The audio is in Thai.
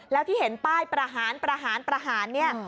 แล้วที่เห็นป้ายประหารเนี่ย